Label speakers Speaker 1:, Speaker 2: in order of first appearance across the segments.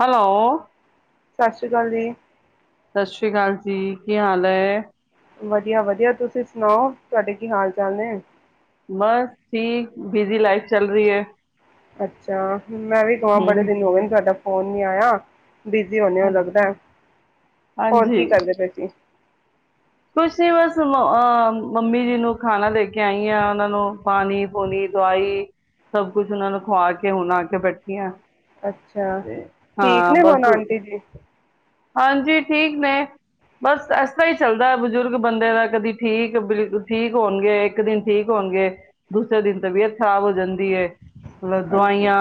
Speaker 1: Hello
Speaker 2: ਸਤਿ ਸ਼੍ਰੀ ਅਕਾਲ ਜੀ।
Speaker 1: ਸਤਿ ਸ੍ਰੀ ਅਕਾਲ ਜੀ ਕੀ ਹਾਲ ਹੈ
Speaker 2: ਵਧੀਆ ਵਧੀਆ ਤੁਸੀਂ ਸੁਣਾਓ ਤੁਹਾਡੇ ਕੀ ਹਾਲ ਚਾਲ ਨੇ
Speaker 1: ਬਸ ਠੀਕ ਬਿਜੀੀ ਲਾਈਫ ਚੱਲ ਰਹੀ ਹੈ
Speaker 2: ਅੱਛਾ ਮੈਂ ਵੀ ਗਵਾਂ ਬੜੇ
Speaker 1: ਹੂੰ,
Speaker 2: ਦਿਨ ਹੋ ਗਏ ਨੇ ਤੁਹਾਡਾ ਹੋ ਨ ਆਇਆ ਬਿਜੀ ਹਦੇ ਹੋ
Speaker 1: ਹਾਂਜੀ,
Speaker 2: ਲੱਗਦਾ ਹੋਰ
Speaker 1: ਹਾਂਜੀ।
Speaker 2: ਕੀ ਕਰਦੇ ਪਏਸੀ
Speaker 1: ਕੁਛ ਨੀ ਬਸ ਅਹ ਮੰਮੀ ਜੀ ਨੂੰ ਖਾਣਾ ਲੈ ਕੇ ਆਈ ਹ ਉਹਨਾਂ ਨੂੰ ਪਾਣੀ ਪੂਣੀ ਦਵਾਈ ਸਭ ਕੁਛ ਉਹਨਾਂ ਨੂੰ ਖਵਾ ਕੇ ਹੁਣ ਆ ਕੇ ਬੈਠੀ ਆ
Speaker 2: ਅੱਛਾ
Speaker 1: ਤੇ
Speaker 2: ਠੀਕ
Speaker 1: ਹਾਂ
Speaker 2: ਨੇ ਹੁਣ
Speaker 1: ਬਸ
Speaker 2: ਆਂਟੀ ਜੀ
Speaker 1: ਹਾਂਜੀ ਠੀਕ ਨੇ ਬਸ ਇਸ ਤਰ ਹੀ ਚੱਲਦਾ ਬਜ਼ੁਰਗ ਬੰਦੇ ਦਾ ਕਦੀ ਠੀਕ ਬਿਲ ਠੀਕ ਹੋਣਗੇ ਇੱਕ ਦਿਨ ਠੀਕ ਹੋਣਗੇ ਦੂਸਰੇ ਦਿਨ ਤਬੀਅਤ ਖ਼ਰਾਬ ਹੋ ਜਾਂਦੀ ਮਤਲਬ
Speaker 2: ਹਾਂਜੀ।
Speaker 1: ਦਵਾਈਆਂ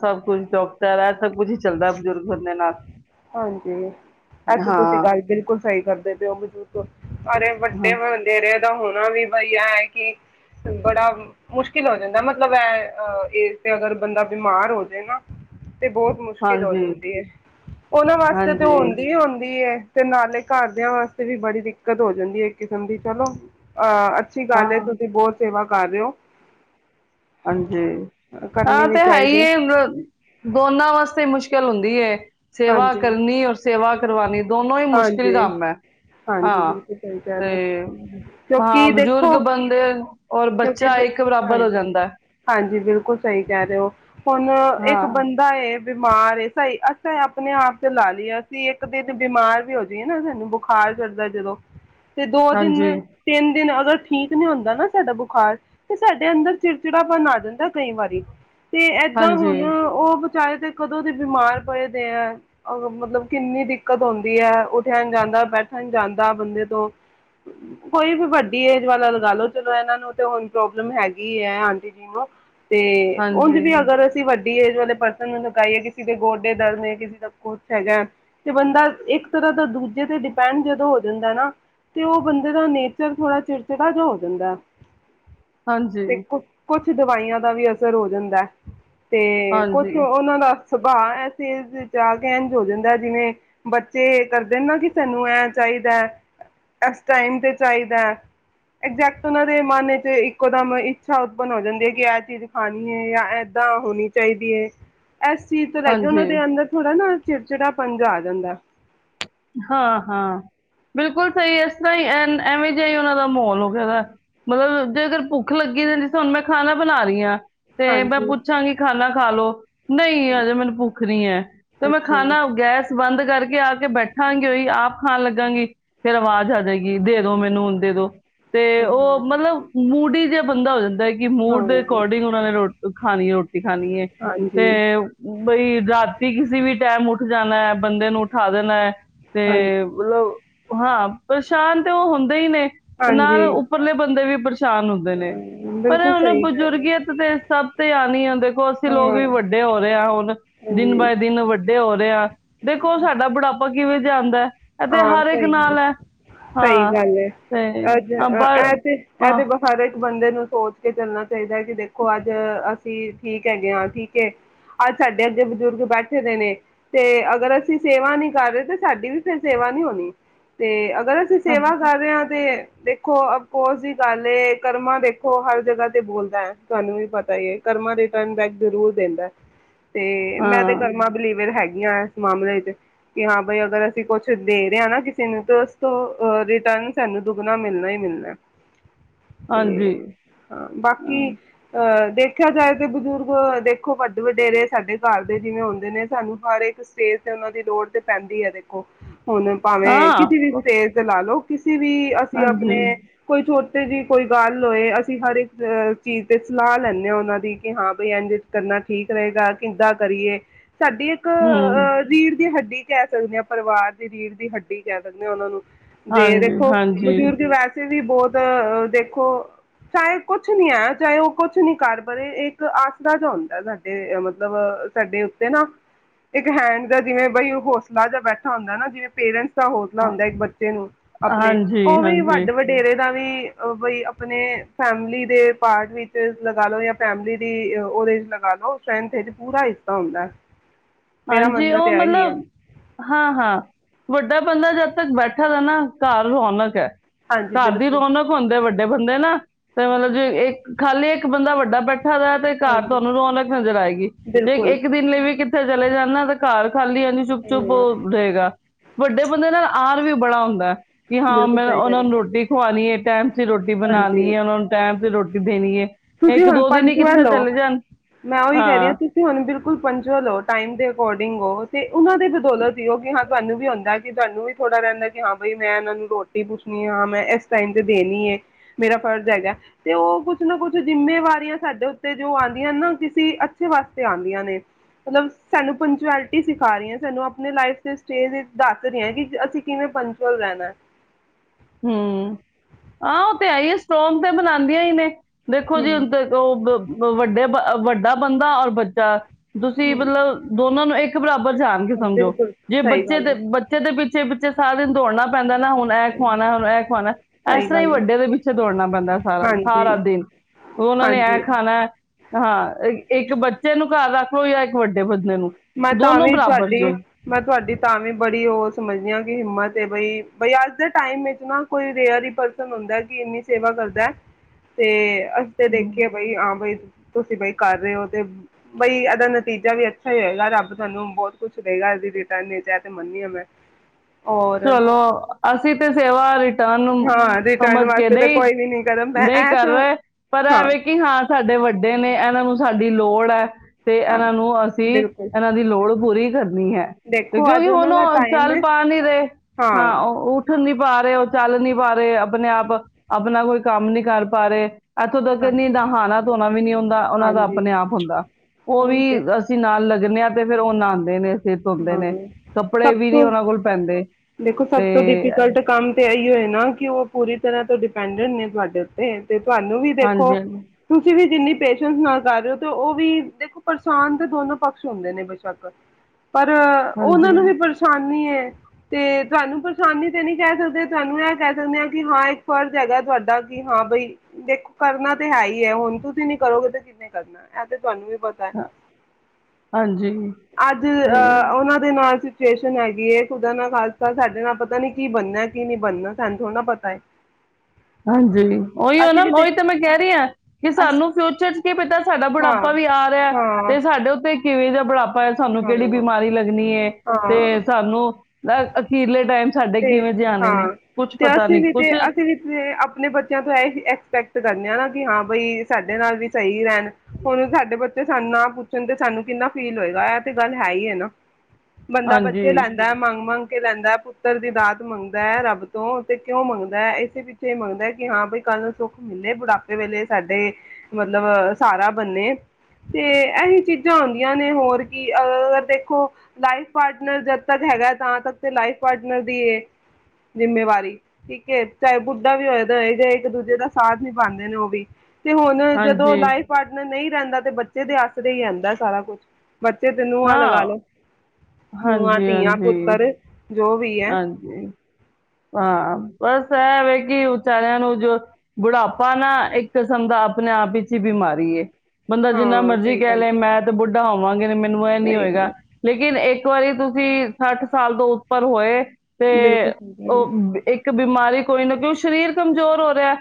Speaker 1: ਸਭ ਕੁਛ ਡਾਕਟਰ ਹੈ ਸਭ ਕੁਝ ਹੀ ਚੱਲਦਾ ਬਜ਼ੁਰਗ ਹੁੰਦੇ ਨਾਲ
Speaker 2: ਹਾਂਜੀ ਇਹ ਤੇ
Speaker 1: ਹਾਂ
Speaker 2: ਹ ਸਾਰੇ
Speaker 1: ਹਾਂ
Speaker 2: ਵੱਡੇ ਬਦੇ ਰਹੇ ਹੋਣਾ ਵੀ ਬਈਆ ਹੈ ਕਿ ਬੜਾ ਮੁਸ਼ਕਿਲ ਹੋ ਜਾਂਦਾ ਮਤਲਬ ਇਹ ਅ ਇਸ ਤੇ ਅਗਰ ਬੰਦਾ ਬਿਮਾਰ ਹੋ ਜਾਵੇ ਨਾ ਤੇ ਬਹੁਤ ਮੁਸ਼ਕਿਲ ਹੋ
Speaker 1: ਹਾਂਜੀ
Speaker 2: ਜਾਂਦੀ ਹੈ ਉਹਨਾਂ ਵਾਸਤੇ ਤੇ
Speaker 1: ਹਾਂਜੀ
Speaker 2: ਹੁੰਦੀ ਹੀ ਹੁੰਦੀ ਹੈ ਤੇ ਨਾਲੇ ਘਰਦਿਆਂ ਵਾਸਤੇ ਵੀ ਬੜੀ ਦਿੱਕਤ ਹੋ ਜਾਂਦੀ ਹੈ ਇੱਕ ਕਿਸਮ ਦੀ ਚਲੋ ਅਹ ਅੱਛੀ
Speaker 1: ਹਾਂ
Speaker 2: ਗੱਲ ਹੈਏ ਤੁਸੀਂ ਬਹੁਤ ਸੇਵਾ ਕਰ ਰ ਹੋ
Speaker 1: ਹਾਂਜੀ ਜ
Speaker 2: ਕਰਨੀ
Speaker 1: ਤਾਂ
Speaker 2: ਵੀ
Speaker 1: ਤੇ ਹੈ
Speaker 2: ਚਾਹੀਦੀ
Speaker 1: ਹੀ ਦੋਨਾਂ ਵਾਸਤੇ ਮੁਸ਼ਕਿਲ ਚਲ ਹੁੰਦੀ ਏ ਸੇਵਾ
Speaker 2: ਹਾਂਜੀ
Speaker 1: ਕਰਨੀ ਔਰ ਸੇਵਾ ਕਰਵਾਉਣੀ ਦੋਨੋ ਹੀ ਮੁਸ਼ਕਿਲ
Speaker 2: ਹਾਂਜੀ
Speaker 1: ਕੰਮ ਹੈ
Speaker 2: ਹਾਂਜੀ
Speaker 1: ਹਾਂ
Speaker 2: ਬਿਲਕੁਲ ਸਹੀ ਕਹਿ ਰਹੇ ਹੋ
Speaker 1: ਤੇ ਹਾਂ
Speaker 2: ਕਿਉਂਕਿ
Speaker 1: ਬਜ਼ੁਰਗ
Speaker 2: ਦੇਖੋ
Speaker 1: ਬੰਦੇ ਔਰ
Speaker 2: ਕਿਉਂਕਿ
Speaker 1: ਬੱਚਾ
Speaker 2: ਦੇ
Speaker 1: ਇੱਕ ਬਰਾਬਰ ਹੋ
Speaker 2: ਹਾਂਜੀ
Speaker 1: ਜਾਂਦਾ
Speaker 2: ਹਾਂਜੀ ਬਿਲਕੁਲ ਸਹੀ ਕਹਿ ਰਹੇ ਹੋ ਹੁਣ ਇੱਕ
Speaker 1: ਹਾਂ,
Speaker 2: ਬੰਦਾ ਬਿਮਾਰ ਏ ਸਹੀ ਆਪਣੇ ਆਪ ਤੇ ਲਾ ਲਈਏ ਅਸੀਂ ਇੱਕ ਦਿਨ ਬਿਮਾਰ ਵੀ ਹੋ ਜਾਈਏ ਨਾ ਸਾਨੂੰ ਬੁਖਾਰ ਕਰਦਾ ਜਦੋਂ ਤੇ ਦੋ
Speaker 1: ਹਾਂਜੀ,
Speaker 2: ਦਿਨ ਤਿੰਨ ਦਿਨ ਅਗਰ ਠੀਕ ਨੀ ਹੁੰਦਾ ਨਾ ਸਾਡਾ ਬੁਖਾਰ ਤੇ ਸਾਡੇ ਅੰਦਰ ਚਿੜਚਿੜਾ ਆਪਾਂਣਾ ਦਿੰਦਾ ਕਈ ਵਾਰੀ ਤੇ ਏਦਾਂ
Speaker 1: ਹਾਂਜੀ,
Speaker 2: ਹੁਣ ਉਹ ਚਾਹੇ ਤੇ ਦੇ ਬਿਮਾਰ ਤੇ ਆ ਮਤਲਬ ਕਿੰਨੀ ਦਿੱਤ ਹਉਂਦੀ ਹੈ ਬਠਣ ਜਾਂਦਾ ਬੈਠਣ ਜਾਂਦਾ ਬੰਦੇ ਤੋਂ ਕੋਈ ਵੀ ਵੱਡੀ ਏਜ ਵਾਲਾ ਲਗਾ ਲੋ ਚਲੋ ਇਹਨਾਂ ਨੂੰ ਹ ਪ੍ਰੋਬਲਮ ਹੈਗੀ ਹੈ ਆਟੀ ਜੀ ਨੂੰ ਤੇ ਉਝ
Speaker 1: ਹਾਂਜੀ,
Speaker 2: ਵੀ ਅਗਰ ਅਸੀਂ ਵੱਡੀ ਏਜ ਵਾਲੇ ਨੂੰ ਲੁਕਾਈਏ ਕਿਸੇ ਦੇ ਗੋਡ ਡੇ ਦਰ ਨੇ ਕਿਸੇ ਦਾ ਕੁਛ ਹੈਗਾ ਤੇ ਬੰਦਾ ਇੱਕ ਤਰ੍ਹਾਂ ਦਾ ਦੂਜੇ ਤੇ ਡਿਪੈਂਡ ਜਦੋਂ ਹੋ ਜਾਂਦਾ ਨਾ ਤੇ ਉਹ ਬੰਦੇ ਦਾ ਨੇਚਰ ਥੋੜਾ ਚਿੜਚਿੜਾ ਜਿਹਾ ਹੋ ਜਾਂਦਾ ਹੈ ਤੇ
Speaker 1: ਹਾਂਜੀ,
Speaker 2: ਕੁ ਕੁਛ ਦਵਾਈਆਂ ਦਾ ਵੀ ਅਸਰ ਹੋ ਜਾਂਦਾ ਹੈ ਤੇ ਕੁਛ
Speaker 1: ਹਾਂਜੀ,
Speaker 2: ਉਹਨਾਂ ਦਾ ਸਭਾ ਆ ਕ ਹੋ ਜਾਂਦਾ ਜਿਵੇਂ ਬੱਚੇ ਕਰਦੇ ਨਾ ਕਿ ਸਾਨੂੰ ਐ ਚਾਹੀਦਾ ਇਸ ਟਮ ਤੇ ਚਾਹੀਦਾ ਐਗਜੈਕਟ ਉਹ ਦੇ ਮਨ ਵਿਚ ਇਕੋ ਦਮ ਇੱਛਾ ਉਤਪੰਨ ਹੋ ਜਾਂਦੀ ਹੈ ਕਿ ਇਹ ਚੀਜ਼ ਖਾਣੀ ਹੈ ਜਾਂ ਏਦਾਂ ਹੋਣੀ ਚਾਹੀਦੀ ਹੈ ਐਸੀ ਤੋਂ ਲ ਉਹਨਾਂ
Speaker 1: ਹਾਂਜੀ।
Speaker 2: ਦੇ ਅੰਦਰ ਥੋੜਾ ਨਾ ਚਿੜਚਿੜਾ ਪੰਜ ਜਾ ਦਾ
Speaker 1: ਹਾਂ ਹਾਂ ਬਿਲਕੁਲ ਸਹੀ ਇਸ ਤਰ੍ਹਾਂ ਹੀ ਐ ਐਵੇਂ ਜਿਹਾ ਹੀ ਉਹਨਾਂ ਦਾ ਮਾਹਲ ਹੋ ਗਿਆਦਾ ਮਤਲਬ ਜੇ ਅਗਰ ਭੁੱਖ ਲੱਗੀ ਜਾਂਦੀ ਹੁਣ ਮੈਂ ਖਾਣਾ ਬਣਾ ਰਹੀ ਹਾਂ ਤੇ ਮੈਂ
Speaker 2: ਹਾਂਜੀ
Speaker 1: ਪੁੱਛਾਂਗੀ ਖਾਨਾ ਖਾ ਲੋ ਨਹੀਂ ਅਜੇ ਮੈਨੂੰ ਭੁੱਖ ਨਹੀਂ ਹੈ ਤੇ ਮੈਂ
Speaker 2: ਅੱਛਾ ਜੀ
Speaker 1: ਖਾਾ ਗੈਸ ਬੰਦ ਕਰਕੇ ਆ ਕੇ ਬੈਠੇ ਠਾਂਗੇ ਉਹੀ ਆਪ ਖਾਣ ਲੱਗਾਾਂਗੀ ਫੇਰ ਆਵਾਜ਼ ਆ ਜਾਏਗੀ ਦੇ ਦੋ ਮੈਨੂੰ ਦੇ ਦੋ ਤੇ
Speaker 2: ਹਾਂ
Speaker 1: ਉਹ ਮਤਲਬ ਮੂਡੀ ਹੀ ਜਿ ਬੰਦਾ ਹੋ ਜਾਂਦਾ ਕਿ ਮੂਡ ਦੇ
Speaker 2: ਹਾਂ
Speaker 1: ਅਕੋਰਡਿੰਗ ਉਹਨਾ ਨੇ ਰ ਖਾਣੀ ਹੈ ਰੋਟੀ ਖਾਣੀ ਹੈ
Speaker 2: ਹਾਂਜੀ
Speaker 1: ਤੇ ਬਈ ਰਾਤੀ ਕਿਸੇ ਵੀ ਟਾਈਮ ਜਾਣਾ ਹੈ ਬੰਦੇ ਨੂੰ ਹਾਂਦੇਨ ਤੇ
Speaker 2: ਹਾਂਜੀ
Speaker 1: ਮਤਲਬ ਹਾਂ ਪਰੇਸ਼ਾਨ ਤੇ ਉਹ ਹੁੰਦੇ ਹੀ ਨੇ ਨਾਲ
Speaker 2: ਹਾਂਜੀ
Speaker 1: ਉੱਪਰਲੇ ਬੰਦੇ ਵੀ ਪਰੇਸ਼ਾਨ ਹੁੰਦੇ ਨੇ
Speaker 2: ਹਮ,
Speaker 1: ਪਰ
Speaker 2: ਬਿਲਕੁਲ
Speaker 1: ਹੁਣ
Speaker 2: ਸਹੀ ਕਹਿ ਰਹੇ
Speaker 1: ਬਜ਼ੁਰਗੀਤ ਤੇ ਸਭ ਤੇ ਆ ਨਹੀਂ ਆਦੇ ਦੇਖੋ ਅਸੀਂ
Speaker 2: ਹੋ
Speaker 1: ਲੋਕ
Speaker 2: ਹਾਂ
Speaker 1: ਵੀ ਵੱਡੇ ਹੋ ਰਹੇ ਹਾਂ ਹੁਣ ਦਿਨ
Speaker 2: ਹਾਂਜੀ
Speaker 1: ਬਾਏ ਦਿਨ ਵੱਡੇ ਹੋ ਰਹੇ ਹਾਂ ਦੇਖੋ ਸਾਡਾ ਬੁਢਾਪਾ ਕਿਵੇਂ ਜਾਂਦਾ
Speaker 2: ਹਾਂ ਸਹੀ ਗੱਲ ਸਹੀ
Speaker 1: ਹਾਂ
Speaker 2: ਗੱਲ ਹੈ
Speaker 1: ਤੇ
Speaker 2: ਅਜ
Speaker 1: ਹਾਂ ਬਰ
Speaker 2: ਇਹ ਤੇ ਇਹ
Speaker 1: ਹਾਂ
Speaker 2: ਤੇ ਬੁਖਾਰ ਬੰਦੇ ਨੂੰ ਸੋਚ ਕੇ ਚੱਲਣਾ ਚਾਹੀਦਾ ਕਿ ਦੇਖੋ ਅੱਜ ਅਸੀਂ ਠੀਕ ਹੈਗੇ ਹਾਂ ਠੀਕ ਹੈ ਅੱਜ ਸਾਡੇ ਅੱਗੇ ਬਜ਼ੁਰਗ ਬੈਠੇ ਦੇ ਨੇ ਤੇ ਅਗਰ ਅਸੀਂ ਸੇਵਾ ਨਹੀਂੀ ਕਰ ਰਹੇ ਤਾਂ ਸਾਡੀ ਵੀ ਫਿਰ ਸੇਵਾ ਨੀ ਹੋਣੀ ਤੇ ਅਗਰ ਅਸੀਂ
Speaker 1: ਹਾਂ,
Speaker 2: ਸੇਵਾ ਕਰ ਰਹੇ ਹਾਂ ਤੇ ਦੇਖੋ ਅਫਕੋਰਸ ਦੀ ਗੱਲ ਕਰਮਾ ਦੇਖੋ ਹਰ ਜਗ੍ਹਾ ਤੇ ਬੋਲਦਾ ਹੈ ਤੁਹਾਨੂੰ ਵੀ ਪਤਾ ਹੀ ਹੈ ਕਰਮਾ ਰਿਟਰਨ ਬੈਕ ਜ਼ਰੂਰ ਦਿੰਦਾ ਤੇ ਮੈਂ ਤੇ
Speaker 1: ਹਾਂ,
Speaker 2: ਕਰਮਾਂ ਬਿਲੀਵਰ ਹੈਗੇ ਇਸ ਮਾਮਲੇ ਚ ਕਿ ਹਾਂ ਬਾਈ ਅਗਰ ਸੀਂ ਕੁਛ ਦੇ ਰਹਾ ਨਾ ਕਿਸੇ ਨੂੰ ਤੇ ਉਸ ਤੋਂ ਅਹ ਰਿਟਰਨ ਸਾਨੂੰ ਦੁੱਗਣਾ ਮਿਲਣਾ ਹੀ ਮਿਲਣਾ ਤੇ
Speaker 1: ਹਾਂਜੀ
Speaker 2: ਹਾਂ ਬਾਕੀ
Speaker 1: ਹਾਂ,
Speaker 2: ਅਹ ਦੇਖਿਆ ਜਾਏ ਤਾਂ ਬਜ਼ੁਰਗ ਦੇਖੋ ਵੱਡੇ ਵਡੇਰੇ ਸਾਡੇ ਘਰ ਦੇ ਜਿਵੇਂ ਹੁੰਦੇ ਨੇ ਸਾਨੂੰ ਹਰ ਇੱਕ ਸਟੇਜ ਤੇ ਉਹਨਾਂ ਦੀ ਲੋੜ ਤੇ ਪੈਂਦੀ ਹੈ ਫ ਹੁਣ ਭਾਵੇਂ ਕਿੇ ਵੀ
Speaker 1: ਹਾਂ
Speaker 2: ਸਟੇਜ ਲਾ ਲਓ ਕਿਸੇ ਵੀ ਅਸੀਂ
Speaker 1: ਹਾਂਜੀ
Speaker 2: ਆਪਣੇ ਕੋਈ ਛੋਟੀ ਜੀ ਕੋਈ ਗੱਲ ਹੋਏ ਅਸੀਂ ਹਰ ਇੱਕ ਚੀਜ਼ ਤੇ ਸਲਾਹ ਲੈਂਦੇ ਹਾਂ ਉਹਨਾਂ ਦੀ ਕਿ ਹਾਂ ਬਈ ਇਝ ਕਰਨਾ ਠੀਕ ਰਹੇਗਾ ਕਿੱਦਾਂ ਕਰੀਏ ਸਾਡੀ ਇੱਕ
Speaker 1: ਹੂੰ
Speaker 2: ਅਹ ਰੀੜ ਦੀ ਹੱਡੀ ਕਹਿ ਸਕਦੇ ਹਾਂ ਪਰਿਵਾਰ ਦੀ ਰੀੜ੍ਹ ਦੀ ਹੱਡੀ ਕਹਿ ਦਿੰਦੇ ਹਾਂ ਉਹਨਾਂ ਨੂੰ ਜ
Speaker 1: ਹਾਂਜੀ
Speaker 2: ਦੇਖੋ
Speaker 1: ਹਾਂਜੀ
Speaker 2: ਬਜ਼ੁਰਗ ਵੈਸੇ ਵੀ ਬਹੁਤ ਦੇਖੋ ਚਾਹੇ ਕੁਛ ਨੀ ਹੈ ਚਾਹੇ ਉਹ ਕੁਛ ਨੀ ਕਰ ਪਰ ਇੱਕ ਆਸਰਾ ਜਿ ਹੁੰਦਾ ਸਾਡੇ ਮਤਲਬ ਸਾਡੇ ਉੱਤੇ ਨਾ ਇੱਕ ਹੈਂਡ ਦਾ ਜਿਵੇਂ ਬਈ ਹੌਸਲਾ ਜਿ ਬੈਠਾ ਾਉਦਾ ਜਿਵੇਂ ਪੇਰੈਂਟਸ ਹੌਸਲਾ
Speaker 1: ਹਾਂ,
Speaker 2: ਹੁੰਦਾ ਇੱਕ ਬੱਚੇ ਨੂੰ ਆਪਣੇ
Speaker 1: ਹਾਂਜੀ
Speaker 2: ਉਹ ਵੀ
Speaker 1: ਹਾਂਜੀ
Speaker 2: ਵੱਡ ਵਡੇਰੇ ਾਂ ਵੀ ਬਈ ਆਪਣੇ ਫੈਮਲੀ ਦੇ ਪਾਰਟ ਵਿੱਚ ਲਗਾ ਲੋ ਜਾਂ ਫੈਮਲੀ ਦੀ ਉਹਦੇ ਚ ਲਗਾ ਲੋ ਸ੍ਰੈਂਥ ਵਿੱਚ ਪੂਰਾ ਹਿੱਸਾ ਹੁੰਦਾ ਹੈ ਮੇਰਾ
Speaker 1: ਹਾਂਜੀ
Speaker 2: ਮੰਨਣਾ
Speaker 1: ਉਹ
Speaker 2: ਤਾਂ ਇਹੀ
Speaker 1: ਮਤਲਬ ਹਾਂ ਹਾਂ ਵੱਡਾ ਬੰਦਾ ਜਦ ਤੱਕ ਬੈਠਾ ਦਾ ਨਾ ਘਰ ਰੌਣਕ ਹੈ
Speaker 2: ਹਾਂਜੀ
Speaker 1: ਘਰ ਦੀ
Speaker 2: ਬਿਲਕੁਲ
Speaker 1: ਰੌਨਕ ਹੁੰਦੇ ਵੱਡੇ ਵਡ ਬੰਦੇ ਨਾ ਤੇ ਮਤਲਬ ਜੇ ਇੱਕ ਖਾਲੀ ਇੱਕ ਬੰਦਾ ਵੱਡਾ ਬੈ ਦਾ ਤੇ ਘਰ
Speaker 2: ਹਾਂਜੀ
Speaker 1: ਤੁਹਾਨੂੰ ਰੌਣਕ ਨਜ਼ਰ ਆਏਗੀ ਜੇ
Speaker 2: ਬਿਲਕੁਲ
Speaker 1: ਇੱਕ ਦਿਨ ਲਈ ਵੀ ਕਿੱਥੇ ਉਹਨਾਂ ਦਾ ਘਰ ਖਾਲੀ ਆੀ ਚੁੱਪ ਚੁੱਪ
Speaker 2: ਹਾਂ
Speaker 1: ਰਹੇਗਾ ਵੱਡੇ ਬੰਦੇ ਨਾ ਆਰ ਵੀ ਬੜਾ ਹੁੰਦਾ ਕਿ ਹਾਂ
Speaker 2: ਬਿਲਕੁਲ
Speaker 1: ਮੈਂ
Speaker 2: ਸਹੀ ਕਹਿ
Speaker 1: ਉਹਨਾ
Speaker 2: ਰਹੇ
Speaker 1: ਨੂੰ
Speaker 2: ਹੋ
Speaker 1: ਰੋਟੀ ਖਵਾਣੀ ਹੈ ਤਾਂ ਰੋਟੀ
Speaker 2: ਹਾਂਜੀ
Speaker 1: ਬਣਾਣੀ ਹੈ ਉਹਨਾ ਨੂੰ ਟੈਮ ਤੇ ਰੋਟੀ ਦੇਣੀ ਹੈ
Speaker 2: ਤੁਸੀਂ
Speaker 1: ਇੱਕ
Speaker 2: ਹੁਣ
Speaker 1: ਦੋ ਦਿਨ ਹੀ ਕਿੱਥੇ
Speaker 2: ਪੰਚੁਅਲ ਹੋ
Speaker 1: ਚਲੇ ਜਾਣ
Speaker 2: ਮੈਂ ਉਹੀ ਕਹਿ ਰਹੀ
Speaker 1: ਹਾਂ
Speaker 2: ਤੁਸੀਂ ਹੁਣ ਬਿਲਕੁਲ ਪੰਚੁਅਲ ਹੋ ਟਾਈਮ ਦੇ ਅਕੋਰਡਿੰਗ ਉਹ ਤੇ ਉਹਨਾਂ ਦੀ ਬਦੌਲਤ ਹੀ ਹੋ ਕਿ ਹਾਂ ਤੁਹਾਨੂੰ ਵੀ ਹਉਂਦਾ ਕਿ ਤੁਹਾਨੂੰ ਵੀ ਥੋੜਾ ਰਹਿੰਦਾ ਕਿ ਹਾਂ ਬਾਈ ਮੈਂ ਇਹਨਾਂ ਨੂੰ ਰੋਟੀ ਪੁੱਛਣੀ ਹੈ ਹਾਂ ਮੈਂ ਇਸ ਟਾਈਮ ਤੇ ਦੇਣੀ ਹੈ ਮੇਰਾ ਫਰਜ਼ ਹੈਗਾ ਤੇ ਉਹ ਕੁਛ ਨਾ ਕੁਛ ਜਿੰਮੇਵਾਰੀਆਂ ਸਾਡੇ ਉੱਤੇ ਜੋ ਆਉਂਦੀਆਂ ਨਾ ਕਿਸੇ ਅੱਛੇ ਵਾਸਤੇ ਆਉਂਦੀਆਂ ਨੇ ਮਤਲਬ ਸਾਨੂੰ ਪੰਚੁਲਿਟੀ ਸਿਖਾ ਰਹੀ ਸਾਨੂੰ ਆਪਣੇ ਲ ਸਟੇ ਦੱਸ ਰਹੀ ਕਿ ਅਸੀਂ ਕਿਵੇਂ ਪੰਚੁਲ ਰਹਿਣਾ
Speaker 1: ਹਮ ਆਹ ਉਹ ਤੇ ਆਈ ਆ ਸਟੋਮ ਤੇ ਬਣਾਉਂਦੀਆਂ ਹੀ ਨੇੈਂ ਦੇਖੋ ਜੀ
Speaker 2: ਹਮ
Speaker 1: ਹੁਣ ਉਹ ਵੱਡੇ ਵੱਡਾ ਬੰਦਾ ਔਰ ਬੱਚਾ ਤੁਸੀਂ
Speaker 2: ਹਮ
Speaker 1: ਮਤਲਬ ਦੋਨੋ ਉਹ ਨੂੰ ਇੱਕ ਬਰਾ ਬਰ ਜਾਣਗੇ ਸਮਝੋ
Speaker 2: ਬਿਲਕੁਲ
Speaker 1: ਜੇ
Speaker 2: ਸਹੀ
Speaker 1: ਬੱਚੇ
Speaker 2: ਗੱਲ
Speaker 1: ਦੇ
Speaker 2: ਹੈ
Speaker 1: ਬੱਚੇ ਦੇ ਪਿੱਛੇ ਪਿੱਛੇ ਸਾਰਾ ਦਿਨ ਦੌੜਨਾ ਪੈਂਦਾ ਨਾ ਹੁਣ ਖਵਾਣਾ
Speaker 2: ਸਹੀ
Speaker 1: ਇਹ ਖਵਾਣਾ। ਇਸ ਤਰ੍ਹਾਂ ਈ
Speaker 2: ਗੱਲ ਹੈ
Speaker 1: ਵੱਡੇ ਦੇ ਪਿੱਛੇ ਦੌੜਨਾ ਪੈਂਦਾ, ਸਾਰਾ
Speaker 2: ਹਾਂਜੀ
Speaker 1: ਸਾਰਾ ਦਿਨ। ਉਹਨਾਂ ਨੇ ਐਹ
Speaker 2: ਹਾਂਜੀ
Speaker 1: ਖਾਣਾ ਐ ਹਾਂ ਅ-ਇ-ਇੱਕ ਬੱਚੇ ਨੂੰ ਘਰ ਰੱਖ ਲਓ ਜਾਂ ਇੱਕ ਵੱਡੇ ਬ
Speaker 2: ਮੈਂ ਤਾਂ ਵੀ ਤੁਆਡੀ, ਮੈਂ ਤੁਆਡੀ ਤਾਂ ਵੀ ਬੜੀ ਉਹ ਸਮਝਦੀ ਆ ਕਿ ਹਿੰਮਤ ਏ ਬਈ। ਬਈ ਅੱਜ ਦੇ ਟਾਈਮ ਇੱਚ ਨਾ ਕੋਈ ਰੇਅਰ ਹੀ ਪਰਸਨ ਹੁੰਦੈ, ਕਿ ਇੰਨੀ ਸੇਵਾ ਕਰਦਾ ਐ। ਤੇ ਅਸੀਂ ਤੇ ਦੇਖੀ ਏ ਬਾਈ, ਹਾਂ ਬਈ ਤੁਸੀਂ ਬਈ ਕਰ ਰਹੇ ਓ ਤੇ, ਬਈ ਇਹਦਾ ਨਤੀਜਾ ਵੀ ਅੱਛ ਛਾ ਈ ਹੋਏਗਾ, ਰੱਬ ਤੁਆਨੂੰ ਬਹੁਤ ਕੁਛ ਦਏਗਾ, ਏਸ ਦੀ ਰਿਟਰਨ ਇੱਚ ਐਹ ਤੇ ਮੰਨਨੀ ਆ ਮੈਂ। ਔਰ
Speaker 1: ਚਲੋ ਅਸੀਂ ਤੇ ਸੇਵਾ ਰਿਟਰਨ
Speaker 2: ਹਾਂ ਰਿਟਰਨ
Speaker 1: ਸਮਝ ਕੇ
Speaker 2: ਵਾਸਤੇ ਤਾਂ
Speaker 1: ਨਹੀਂ
Speaker 2: ਕੋਈ ਵੀ ਨਹੀਂ ਕਦਮ ਮੈਂ
Speaker 1: ਨਹੀਂ
Speaker 2: ਇਹ
Speaker 1: ਕਰ
Speaker 2: ਤਾਂ
Speaker 1: ਰਹੇ। ਪਰ ਐ
Speaker 2: ਹਾਂ
Speaker 1: ਵੈ ਕਿ ਹਾਂ, ਸਾਡੇ ਵੱਡੇ ਨੇ ਇਹਨਾਂ ਨੂੰ ਸਾਡੀ ਲੋੜ ਐ। ਤੇ
Speaker 2: ਹਾਂ
Speaker 1: ਏਹਨਾਂ ਨੂੰ ਅਸੀਂ,
Speaker 2: ਬਿਲਕੁਲ
Speaker 1: ਏਹਨਾਂ ਦੀ ਲੋੜ ਪੂਰੀ ਕਰਨੀ ਹੈ। ਤੇ
Speaker 2: ਦੇਖੋ
Speaker 1: ਕਿਉਂਕਿ
Speaker 2: ਅੱਜ
Speaker 1: ਹੁਣ
Speaker 2: ਉਹਨਾਂ ਦਾ
Speaker 1: ਓਹ
Speaker 2: ਟਾਈਮ
Speaker 1: ਚੱਲ
Speaker 2: ਹੈ
Speaker 1: ਪਾ ਨੀ ਰਹੇ। ਹਾਂ। ਓਹ ਉੱਠ ਨੀ ਪਾ ਰਹੇ, ਉਹ ਚੱਲ ਨੀ ਪਾ ਪਾ ਰਹੇ, ਅਪਣੇ ਆਪ, ਅਪਣਾ ਕੋਈ ਕੰਮ ਨੀ ਕਰ ਪਾ ਰਹੇ। ਇੱਥੋਂ ਤੱਕ
Speaker 2: ਹਾਂ
Speaker 1: ਨੀ, ਨਹਾਣਾ ਧੋਣਾ ਵੀ ਨੀ ਹੁੰਦਾ, ਉਹਨਾਂ ਦਾ
Speaker 2: ਹਾਂਜੀ
Speaker 1: ਅਪਣੇ ਆਪ ਹੁੰਦਾ। ਉਹ
Speaker 2: ਉਹੀ ਤਾਂ
Speaker 1: ਵੀ ਅਸੀਂ ਨਾਲ ਲ ਗਨੇ ਆ ਤੇ, ਫੇਰ ਉਹ ਨਾਂਦੇ ਨੇ। ਥੇ ਧੋਂਦੇ
Speaker 2: ਹਾਂ
Speaker 1: ਨੇ, ਕੱਪੜੇ
Speaker 2: ਸਭ
Speaker 1: ਵੀ ਨੀ
Speaker 2: ਤੋਂ
Speaker 1: ਉਹਨਾਂ ਕੋਲ ਪੈਂਦੇ
Speaker 2: ਦੇਖੋ, ਸਭ
Speaker 1: ਤੇ
Speaker 2: ਤੋਂ ਡਿਫੀਕਲਟ ਕੰਮ ਤੇ ਐਈਓ ਐ ਨਾ ਕਿ ਉਹ ਪੂਰੀ ਤਰ੍ਹਾਂ ਤੋਂ, ਡਿਪੈਂਡਡੈਂਟ ਨੇ ਤੁਆਡੇ ਉੱਤੇ ਤੇ ਤੁਆਨੂੰ ਵੀ ਦੇਖੋ,
Speaker 1: ਹਾਂਜੀ
Speaker 2: ਤੁਸੀਂ ਵੀ ਜਿੰਨੀ ਪੇਸ਼ੈਂਸ ਨਾਲ ਕਰ ਰਹੇ ਓ, ਤੇ ਓਹ ਵੀ ਦੇਖੋ, ਪਰੇਸ਼ਾਨ ਤੇ ਦੋਨੋ ਪੱਕਸ਼ ਹੁੰਦੇ ਨੇ ਬੇਸ਼ੱਕ। ਪਰ
Speaker 1: ਹਾਂਜੀ
Speaker 2: ਓਹਨਾਂ
Speaker 1: ਹਾਂਜੀ
Speaker 2: ਨੂੰ ਵੀ ਪਰੇਸ਼ਾਨੀ ਐਂ ਤੇ ਤੁਆਨੂੰ ਪਰੇਸ਼ਾਨੀ ਤੇ ਨੀ ਕਹਿ ਸਕਦੇ, ਤੁਆਨੂੰ ਐਹ ਕਹਿ ਸਕਨੇ ਆਂ ਕਿ ਹਾਂ ਇੱਕ ਫਰਜ਼ ਹੈਗਾ ਤੁਆਡਾ ਕਿ ਹਾਂ ਬਈ, ਦੇਖੋ ਕਰਨਾ ਤੇ ਹੈ ਈ ਐ ਹੁਣ, ਤੁਸੀਂ ਨੀ ਕਰੋਗੇ ਤੇ ਕਿਨੇਂ ਕਰਨਾ। ਐਹ ਤੇ ਤੁਆਨੂੰ ਵੀ ਪਤਾ ਐ।
Speaker 1: ਹਾਂ- ਹਾਂਜੀ
Speaker 2: ਅੱਜ
Speaker 1: ਤੇ
Speaker 2: ਅ-ਓਹਨਾਂ ਦੇ ਨਾਲ ਆ ਸਿਚੁਏਸ਼ਨ ਹੈਗੀ ਏ। ਖੁਦਾ ਨਾ ਖਾਸਤਾ ਸਾਡੇ ਨਾ ਪਤਾ ਨੀ ਕੀ ਬਣਨਾ ਐ, ਕੀ ਨੀ ਬਣਨਾ। ਸਾਨੂੰ ਥੋੜ੍ਹਾ ਨਾ ਪਤਾ ਏ।
Speaker 1: ਹਾਂਜੀ ਓਈਓ ਨਾ, ਓਈ ਤਾ ਮੈਂ ਕਹਿ ਰਹੀ ਆਂ, ਕਿ
Speaker 2: ਅਸ
Speaker 1: ਸਾਨੂੰ ਫਿਊਚਰ ਚ ਕੀ ਪਤਾ ਸਾਡਾ
Speaker 2: ਹਾਂ
Speaker 1: ਬੁਢਾਪਾ ਵੀ ਆ ਰਿਹਾ।
Speaker 2: ਹਾਂ
Speaker 1: ਤੇ ਸਾਡੇ ਉੱਤੇ ਕਿਵੇਂ ਜਾ ਬੁਢਾਪ ਪਾ ਐ, ਸਾਨੂੰ ਕਿਹੜੀ
Speaker 2: ਹਾਂ
Speaker 1: ਬਿਮਾਰੀ ਲੱਗਣੀ ਐਂ।
Speaker 2: ਹਾਂ
Speaker 1: ਤੇ ਸਾਨੂੰ ਦ ਅਖੀਰਲੇ ਟਾਈਮ ਸਾਡੇ
Speaker 2: ਤੇ
Speaker 1: ਕਿਵੇਂ ਜਿਆਣੇ ਨੇ। ਕੁਛ ਪਤਾ ਨੀ ਕੁਛ
Speaker 2: ਵੇ ਆਪਣੇ ਬੱਚਿਆਂ ਤੋਂ ਐ ਈ ਐਕਸਪੈਕਟ ਕਰਨੇ ਆ ਨਾ, ਕਿ ਹਾਂ ਬਈ ਸਾਡੇ ਨਾਲ ਵੀ ਸਈ ਰਹਿਣ, ਹੁਣ ਸਾਡੇ ਬੱਚੇ ਤੇ ਸਾਨੂੰ ਨਾ ਪੁੱਛਣ ਤੇ ਸਾਨੂੰ ਕਿੰਨਾ ਫੀਲ ਹੋਏਗਾ। ਐ ਤੇ ਗੱਲ ਹੈ। ਹੀ ਹੈ। ਨਾ ਬੰਦਾ ਬੱਚੇ
Speaker 1: ਹਾਂਜੀ
Speaker 2: ਲੈਂਦਾ ਹੈ। ਮੰਗ-ਮੰਗ ਕੇ ਲੈਂਦਾ ਪੁੱਤਰ ਦੀ ਦਾਤ ਮੰਗਦਾ ਹੈ। ਰੱਬ ਤੋਂ ਤੇ ਕਿਉਂ ਮੰਗਦਾ ਹੈ। ਇਸੇ ਪਿੱਛੇ ਮੰਗਦਾ ਕਿ ਹਾਂ ਬਈ ਕੱਲ ਨੂੰ ਸੁੱਖ ਮਿਲੇ ਬੁਢਾਪੇ ਵੇਲੇ ਸਾਡੇ ਮਤਲਬ ਸਾਰਾ ਬੰਨੇ ਤੇ ਇਹੀ ਚੀਜ਼ਾਂ ਆਉਂਦੀਆਂ ਨੇ ਹੋਰ ਕਿ ਦੇਖੋ ਲਾਈਫ ਪਾਰਟਨਰ ਜਦ ਤੱਕ ਹੈਗਾ ਤ ਤੱਕ ਤੇ ਲਾਈਫ ਪਾਰਟ ਦੀ ਇਹ ਜਿੰਮੇਵਾਰੀ ਠੀਕ ਹੈ। ਚਾਹੇ ਬੁੱਢਾ ਵੀ ਹੋਏਗਾ ਇੱਕ ਦੂਜੇ ਦਾ ਸਾਥ ਨਿਭਾਦੇ ਨੇ ਉਹ ਵੀ। ਤੇ ਹੁਣ ਜਦੋਂ
Speaker 1: ਹਾਂਜੀ
Speaker 2: ਲਾਈਫ ਪਾਰਟਨਰ ਨਹੀਂ ਰਹਿੰਦਾ ਤੇ ਬੱਚੇ ਦੇ ਆਸਰੇ ਹੀ ਰਹਿੰਦਾ ਸਾਰਾ ਕੁਛ। ਬੱਚੇ ਤੇ ਨੂੰਹਾਂ
Speaker 1: ਹਾਂ
Speaker 2: ਲਗਾ ਲੋ। ਨੂੰਹਾਂ-
Speaker 1: ਹਾਂਜੀ
Speaker 2: ਧੀਆਂ,
Speaker 1: ਹਾਂਜੀ
Speaker 2: ਪੁੱਤਰ, ਜੋ ਵੀ ਐ।
Speaker 1: ਹਾਂਜੀ ਹਾਂ, ਬਸ ਐਹ ਵੇ ਕਿ ਵਿਚਾਰਿਆਂ ਨੂੰ ਜੋ ਬੁਢਾਪਾ ਨਾ ਇੱਕ ਕਿਸਮ ਦਾ ਆਪਣੇ ਆਪ ਵਿੱਚ ਹੀ ਬਿਮਾਰੀ ਐ। ਬੰਦਾ ਜਿੰਨਾ
Speaker 2: ਹਾਂ
Speaker 1: ਮਰਜ਼ੀ
Speaker 2: ਸਹੀ
Speaker 1: ਕਹਿ
Speaker 2: ਗੱਲ
Speaker 1: ਲੈ ਮੈਂ ਤੇ ਬੁੱਢ ਤਾਂ ਆਵਾਂਗੇ। ਫਿਰ ਮੈਨੂੰ ਇਹ ਨਹੀਂ
Speaker 2: ਸਹੀ ਗੱਲ
Speaker 1: ਹੋਏਗਾ, ਲੇਕਿਨ ਇੱਕ ਇੱਕ ਵਾਰੀ ਤੁਸੀਂ ਸੱਠ ਸਾਲ ਤੋਂ ਉੱਪਰ ਹੋਏ।
Speaker 2: ਹੈ ਬਿਲਕੁਲ
Speaker 1: ਤੇ,
Speaker 2: ਸਹੀ ਗੱਲ
Speaker 1: ਉਹ
Speaker 2: ਹੈ
Speaker 1: ਬ ਇੱਕ ਬਿਮਾਰੀ ਕੋਈ ਨਾ ਕਿਉਂ ਸਰੀਰ ਕਮਜ਼ੋਰ ਹੋ ਰਿਹਾ।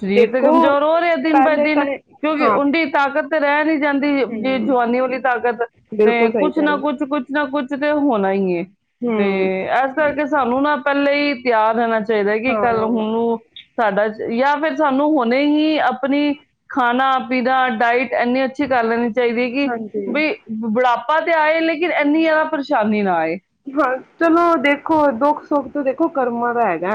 Speaker 1: ਸਰੀਰ ਤੇ
Speaker 2: ਦੇਖੋ
Speaker 1: ਕਮਜ਼ੋਰ ਹੋ ਰਿਹਾ ਦਿਨ ਬਾਏ
Speaker 2: ਪਹਿਲੇ ਤਾਂ
Speaker 1: ਦਿਨ ਕਿਉਂਕਿ
Speaker 2: ਹਾਂ
Speaker 1: ਉਦੀ ਤਾਕਤ ਤੇ ਰਹਿਣ ਈ ਜਾਂਦੀ ਜੇ
Speaker 2: ਹਮ
Speaker 1: ਜਵਾਨੀ ਵਾਲੀ ਤਾਕਤ ਤੇ
Speaker 2: ਬਿਲਕੁਲ ਸਹੀ
Speaker 1: ਕੁਛ
Speaker 2: ਕਹਿ
Speaker 1: ਨਾ
Speaker 2: ਰਹੇ
Speaker 1: ਕੁਛ
Speaker 2: ਹੋ
Speaker 1: ਕੁਛ ਨਾ ਕੁਛ ਐ ਤੇ ਹੋਣਾ ਈ ਐ। ਤੇ
Speaker 2: ਹਮ
Speaker 1: ਏਸ ਕਰਕੇ ਸਾਨੂੰ ਨਾ ਤੇ ਈ ਤਿਆਰ ਰਹਿਣਾ ਚਾਹੀਦਾ ਕਿ ਕੱਲ
Speaker 2: ਹਾਂ
Speaker 1: ਉਹਨੂੰ ਸਾਡਾ ਜਾਂ ਫਿਰ ਸਾਨੂੰ ਹੁਣੇ ਹੀ ਆਪਣੀ ਖਾਣਾ-ਪੀਣਾ, ਡਾਇਟ ਇੰਨੀ ਅੱਛੀ ਕਰ ਲੈਣੀ ਚਾਹੀਦੀ ਹੈ, ਕਿ
Speaker 2: ਹਾਂਜੀ
Speaker 1: ਵੀ ਬੁਢਾਪਾ ਤੇ ਆਏ ਲੇਕਿਨ ਇੰਨੀ ਜ਼ਿਆਦਾ ਪਰੇਸ਼ਾਨੀ ਨਾ ਆਏ।
Speaker 2: ਹਾਂ, ਚਲੋ ਦੇਖੋ ਦੁੱਖ-ਸੁੱਖ ਇਹ ਤਾਂ ਦੇਖੋ ਕਰਮਾਂ ਦਾ ਹੈਗਾ।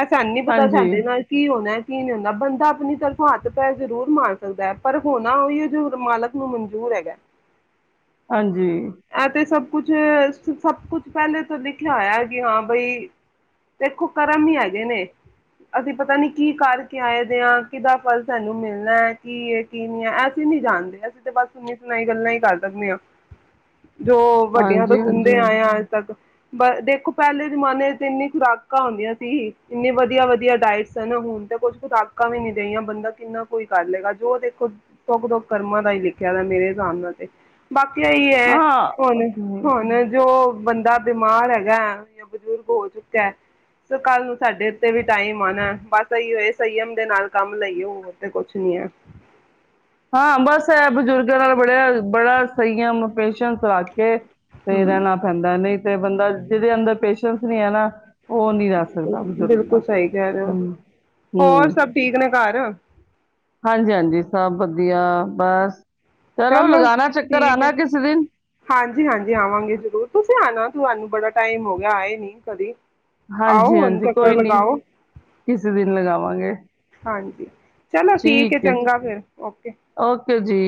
Speaker 2: ਐ ਸਾਨੂੰ ਨੀ ਪਤਾ
Speaker 1: ਹਾਂਜੀ
Speaker 2: ਸਾਡੇ ਨਾਲ ਕੀ ਹੋਣਾ। ਕੀ ਨਹੀਂ ਹੁੰਦਾ ਬੰਦਾ ਆਪਣੀ ਤਰਫ਼ੋਂ ਹੱਥ ਪੈਰ ਜ਼ਰੂਰ ਮਾਰ ਦਿੰਦਾ ਐ ਪਰ ਹੋਣਾ ਉਹੀ ਐ ਜੋ ਮਾਲਕ ਨੂੰ ਮਨਜੂਰ ਹੈਗਾ।
Speaker 1: ਹਾਂਜੀ,
Speaker 2: ਇਹ ਸਭ ਕੁਛ ਸਭ ਕੁਛ ਪਹਿਲੇ ਤੋਂ ਲਿਖਿਆ ਹੋਇਆ ਹੈ ਕਿ ਹਾਂ ਬਈ ਦੇਖੋ ਕਰਮ ਹੀ ਹੈਗੇ ਨੇ ਅਸੀਂ ਪਤਾ ਨੀ ਕੀ ਕਰਕੇ ਆਏ ਦੇ ਹਾਂ, ਕਿਹਦਾ ਫਲ ਸਾਨੂੰ ਮਿਲਣਾ ਹੈ ਕੀ ਹੈ ਕੀ ਨਹੀਂ ਹੈ, ਅਸੀਂ ਨੀ ਜਾਣਦੇ ਅਸੀਂ ਤਾਂ ਬਸ ਸੁਣੀ ਸੁਣਾਈ ਗੱਲਾਂ ਹੀ ਕਰ ਸਕਦੇ ਹਾਂ। ਜੋ ਵੱਡਿਆਂ ਤੋਂ
Speaker 1: ਹਾਂਜੀ
Speaker 2: ਸੁਣਦੇ
Speaker 1: ਹਾਂਜੀ
Speaker 2: ਆਏ ਆਂ ਅੱਜ ਤੱਕ। ਬ ਦੇਖੋ ਪਹਿਲੇ ਜਮਾਨੇ ਚ ਤੇ ਇੰਨੀ ਖੁਰਾਕਾਂ ਹੁੰਦੀਆਂ ਸੀ ਇੰਨੀ ਵਧੀਆ- ਵਧੀਆ ਡਾਇਟਸ ਹੁਣ ਤੇ ਕੁਛ ਖੁਰਾਕਾਂ ਵੀ ਨੀ ਦੇਈਆਂ ਬੰਦਾ ਕਿੰਨਾ ਕੋਈ ਕਰ ਲਏਗਾ ਜੋ ਦੇਖੋ ਸੁੱਖ-ਦੁੱਖ ਦੋ ਕਰਮਾਂ ਦਾ ਹੀ ਲਿਖਿਆ ਮੇਰੇ ਹਿਸਾਬ ਨਾਲ ਤੇ ਬਾਕੀ ਇਹੀ ਹੈ। ਹੁਣ-
Speaker 1: ਹਾਂ
Speaker 2: ਹੁਣ ਜੋ ਬੰਦਾ ਬਿਮਾਰ ਹੈਗਾ ਜਾਂ ਬਜ਼ੁਰਗ ਹੋ ਚੁੱਕਾ ਸ ਕੱਲ ਨੂੰ ਸਾਡੇ ਉੱਤੇ ਵੀ ਟਾਈਮ ਆਉਣਾ ਬਸ ਇਹੀ ਹੋਏ ਸੰਯਮ ਦੇ ਨਾਲ ਕੰਮ ਲਈਏ ਹੋਰ ਤੇ ਕੁਛ ਨੀ ਐ।
Speaker 1: ਹਾਂ ਬਸ ਹੈ ਬਜ਼ੁਰਗਾਂ ਨਾਲ ਬੜਿਆ ਬੜਾ ਸਹੀਅਮ ਪੇਸ਼ਨ ਰੱਖ ਕੇ ਤੇ
Speaker 2: ਹਮ
Speaker 1: ਰਹਿਣਾ ਪੈਂਦਾ ਨਹੀਂ ਤੇ ਬੰਦਾ ਜਿਹਦੇ ਅੰਦਰ ਪੇਸ਼ੈਂਸ ਨਹੀਂ ਹੈ ਨਾ ਉਹ ਨਹੀਂ ਰਹਿ ਸਕਦਾ ਬਜ਼ੁਰਗ ਦਾ
Speaker 2: ਬਿਲਕੁਲ ਸਹੀ ਕਹਿ ਰਓ
Speaker 1: ਹੂੰ
Speaker 2: ਹੋਰ
Speaker 1: ਹੂੰ
Speaker 2: ਸਭ ਠੀਕ ਨੇ ਘਰ
Speaker 1: ਹਾਂਜੀ -ਹਾਂਜੀ ਸਭ ਵ ਵਧੀਆ ਬਸ
Speaker 2: ਚਲੋ
Speaker 1: ਲਗਾਣਾ ਚੱਕਰ
Speaker 2: ਠੀਕ ਹੈ
Speaker 1: ਆਣਾ ਕਿਸੇ ਦਿਨ
Speaker 2: ਹਾਂਜੀ -ਹਾਂਜੀ ਆਵਾਂਗੇ ਜ਼ਰੂਰ ਤੁਸੀਂ ਆਣਾ ਤੁਹਾਨੂੰ ਬੜਾ ਟਾਈਮ ਹੋ ਜਾਂ ਆਏ ਨੀ ਕਦੀ ਆਓ
Speaker 1: ਹਾਂਜੀ
Speaker 2: ਹੁਣ
Speaker 1: ਹਾਂਜੀ
Speaker 2: ਚੱਕਰ
Speaker 1: ਕੋਈ ਨਹੀਂ
Speaker 2: ਲਗਾਓ
Speaker 1: ਕਿਸੇ ਦਿਨ ਲਗਾਵਾਂਗੇ
Speaker 2: ਹਾਂਜੀ, ਚਲੋ ਠੀਕ ਹੈ ਚੰਗਾ ਫਿਰ ਓਕੇ
Speaker 1: ਫਿਰ ਜੀ।